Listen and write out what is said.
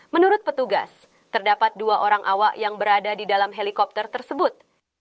menurut petugas terdapat dua orang awak yang berada di dalam helikopter tersebut